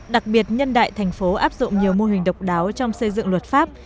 đặc biệt nhân đại thành phố áp dụng nhiều mô hình độc đáo trong xây dựng luật pháp